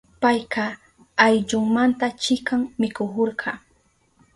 Payka ayllunmanta chikan mikuhurka.